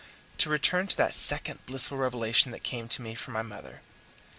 To return to that second blissful revelation which came to me from my mother.